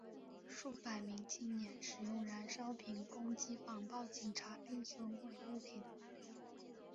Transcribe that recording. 数百名青年使用燃烧瓶攻击防暴警察并损毁物品。